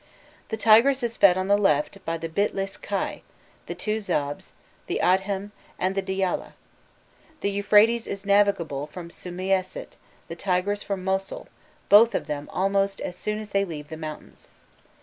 The Tigris is fed on the left by the Bitlis Khai, the two Zabs, the Adhem, and the Diyaleh. The Euphrates is navigable from Sumeisat, the Tigris from Mossul, both of them almost as soon as they leave the mountains.